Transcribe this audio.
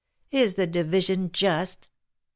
Is the division just ?